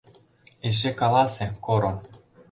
Эше каласе, Коро...